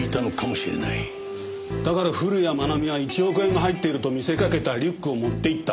だから古谷愛美は１億円が入っていると見せかけたリュックを持って行った。